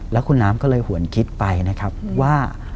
แล้วคุณน้ำก็เลยหวนคิดไปนะครับว่า